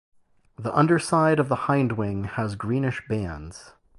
The underside of the hindwing has greenish bands.